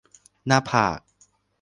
หน้าผาก